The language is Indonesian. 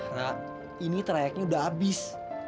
ra ini trayeknya udah abis